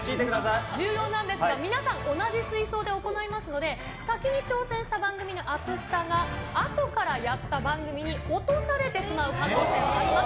重要なんですが、皆さん、同じ水槽で行いますので、先に挑戦した番組のアクスタが、あとからやった番組に落とされてしまう可能性もあります。